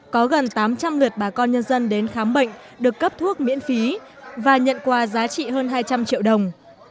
có gần tám trăm linh lượt bà con nhân dân đến khám bệnh được cấp thuốc miễn phí và nhận quà giá trị hơn hai trăm linh triệu đồng